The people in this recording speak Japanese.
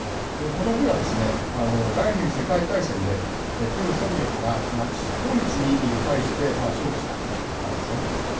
この日は、第２次世界大戦で旧ソビエトがナチス・ドイツに対して勝利した日なんですね。